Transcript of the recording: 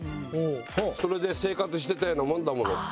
それで生活してたようなものだもの。